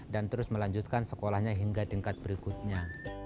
dan terus melanjutkan sekolahnya hingga tingkat berikutnya